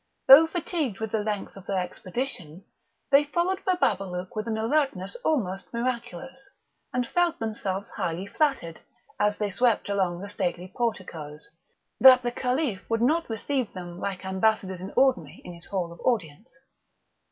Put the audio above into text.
Though fatigued with the length of their expedition, they followed Bababalouk with an alertness almost miraculous, and felt themselves highly flattered, as they swept along the stately porticoes, that the Caliph would not receive them like ambassadors in ordinary in his hall of audience.